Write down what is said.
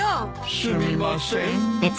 すみません。